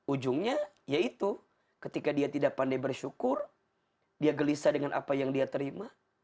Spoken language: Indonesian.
ujungnya yaitu ketika dia tidak pandai bersyukur dia gelisah dengan apa yang dia terima